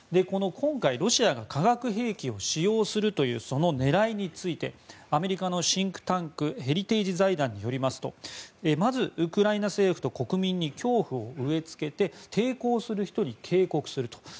今回、ロシアが化学兵器を使用するという狙いについてアメリカのシンクタンクヘリテージ財団によりますとまず、ウクライナ政府と国民に恐怖を植えつけて抵抗する人に警告すると。